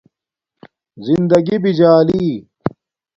زندگݵ بجالی